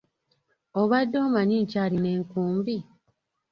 Obadde omanyi nkyalina enkumbi?